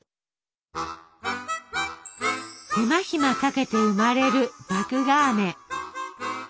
手間暇かけて生まれる麦芽あめ。